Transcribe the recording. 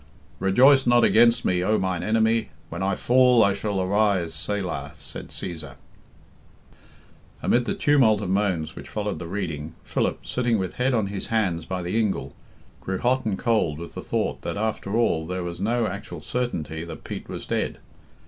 "Rejoice not against me, O mine enemy. When I fall I shall arise. Selah," said Cæsar. Amid the tumult of moans which followed the reading, Philip, sitting with head on his hand by the ingle, grew hot and cold with the thought that after all there was no actual certainty that Pete was dead.